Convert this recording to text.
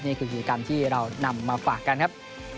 นี่คือกิจกรรมที่เรานำมาฝากกันครับ